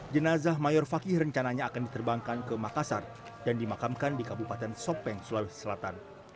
jenazah mayor fakih rencananya akan diterbangkan ke makassar dan dimakamkan di kabupaten sopeng sulawesi selatan